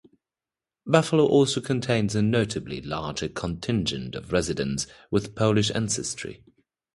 Buffalo also contains a notably large contingent of residents with Polish ancestry.